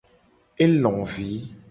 Elo vi.